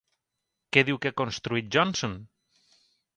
Què diu que ha construït Johnson?